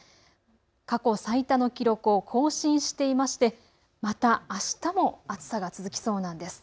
過去最多の記録を更新していましてまたあしたも暑さが続きそうなんです。